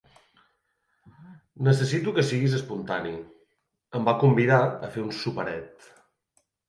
Necessito que siguis espontani. Em va convidar a fer un "soparet".